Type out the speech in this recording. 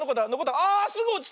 あすぐおちた！